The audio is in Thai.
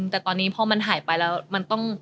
แต่ตอนนี้พอมันหายไปแล้ว